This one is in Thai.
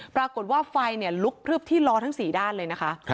ปรากฏว่าไฟลุกพลึบที่ล้อทั้ง๔ด้านเลยนะคะ